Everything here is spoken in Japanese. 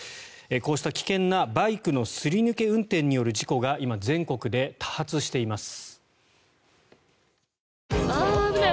こうした危険なバイクのすり抜け運転による事故が今、全国で多発しています。